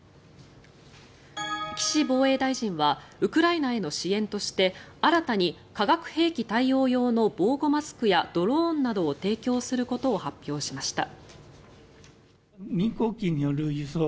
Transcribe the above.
岸防衛大臣はウクライナへの支援として新たに化学兵器対応用の防護マスクやドローンなどを提供することを発表しました。